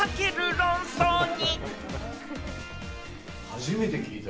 論争に。